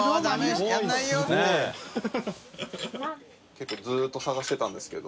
結構ずっと探してたんですけど。